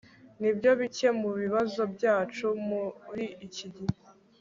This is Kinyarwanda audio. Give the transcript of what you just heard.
Nibyo bike mubibazo byacu muriki gihe